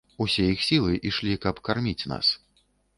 Усе іх сілы ішлі, каб карміць нас.